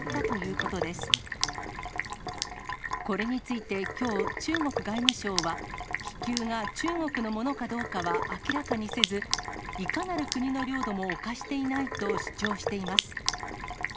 これについてきょう、中国外務省は、気球が中国のものかどうかは明らかにせず、いかなる国の領土も侵していないと主張しています。